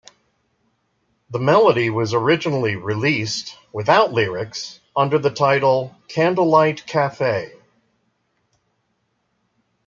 The melody was originally released without lyrics under the title "Candlelight Cafe".